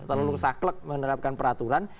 terlalu saklek menerapkan peraturan